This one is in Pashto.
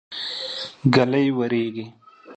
ږلۍ وريږي.